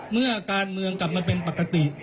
เมื่อการเมืองกลับมาเป็นปกติ